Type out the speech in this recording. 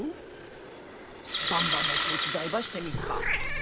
ばんばの手伝いばしてみっか？